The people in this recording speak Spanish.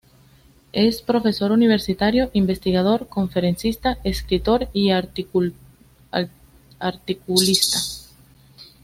Es profesor universitario, investigador, conferencista, escritor y articulista.